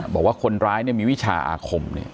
บอกว่าคนร้ายมีวิชาอาคม